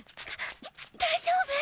大丈夫！？